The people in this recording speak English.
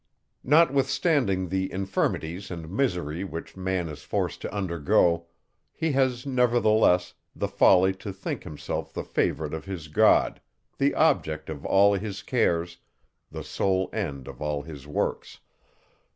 Notwithstanding the infirmities and misery which man is forced to undergo, he has, nevertheless, the folly to think himself the favourite of his God, the object of all his cares, the sole end of all his works.